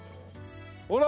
ほら！